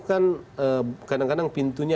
kan kadang kadang pintunya